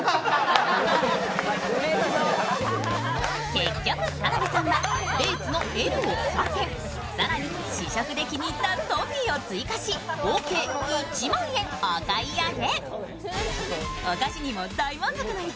結局田辺さんは、デーツのＬを３点、更に試食で気に入ったトフィを追加し合計１万円お買い上げ。